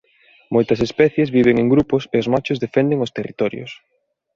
Moitas especies viven en grupos e os machos defenden os territorios.